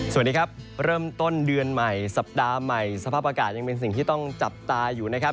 สวัสดีครับเริ่มต้นเดือนใหม่สัปดาห์ใหม่สภาพอากาศยังเป็นสิ่งที่ต้องจับตาอยู่นะครับ